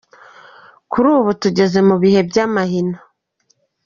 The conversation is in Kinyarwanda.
"Kuri ubu tugeze mu bihe by'amahina.